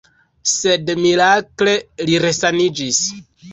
Sed mirakle li resaniĝis.